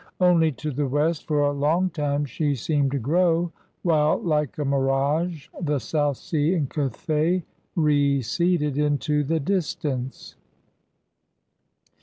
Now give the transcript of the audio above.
Only to the west, for a long time, she seemed to grow, while like a mirage the South Sea and Cathay receded into the distance.